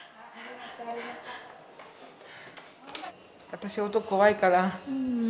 私音怖いから。